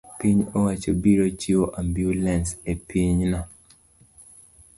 piny owacho biro chiwo ambulans e pinyno